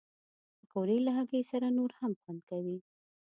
پکورې له هګۍ سره نور هم خوند کوي